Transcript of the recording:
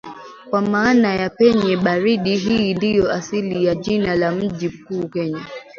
kwa maana ya penye baridi hii ndio asili ya jina la mji mkuu Kenya